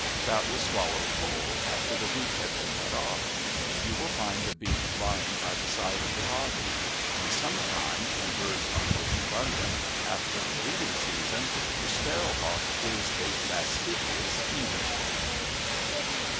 That was swallowed whole, after the beak had been cut off. You will find the beak lying by the side of the body. In summertime, when birds are most abundant, after the breeding season, the sparrowhawk is a fastidious feeder.